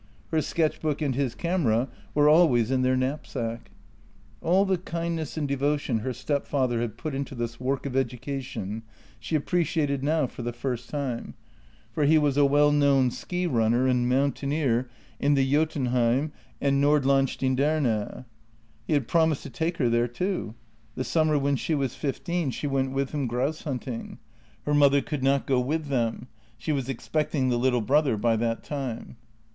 Her sketch book and his camera were always in their knapsack. All the kindness and devotion her stepfather had put into this work of education she appreciated now for the first time — for he was a well known ski runner and mountaineer in the Jotun heim and Nordlandstinderne. He had promised to take her there too. The summer when she was fifteen, she went with him grouse shooting. Her mother could not go with them: she was expecting the little brother by that time.